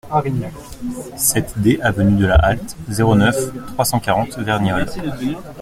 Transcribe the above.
sept D avenue de la Halte, zéro neuf, trois cent quarante, Verniolle